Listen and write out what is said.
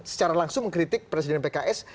secara langsung mengkritik presiden pks